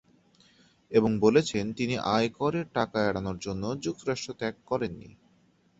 এবং বলেছেন তিনি আয় করের টাকা এড়ানোর জন্য যুক্তরাষ্ট্র ত্যাগ করেননি।